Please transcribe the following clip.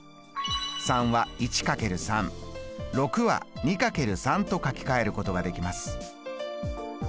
３は１×３６は２×３と書きかえることができます。